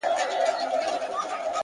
د زغم ځواک د لویوالي نښه ده’